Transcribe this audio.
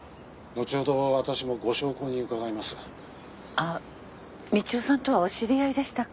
あっ道夫さんとはお知り合いでしたか。